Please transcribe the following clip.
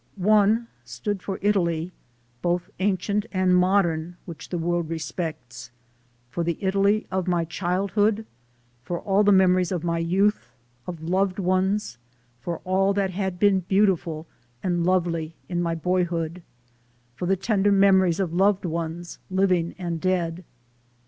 One stood for Italy, MY FINAL CHOICE 325 both ancient and modern, which the world respects ; for the Italy of my childhood, for all the memories of my youth, of loved ones, for all that had been beautiful and lovely in my boyhood; for the tender memories of loved ones, living and dead.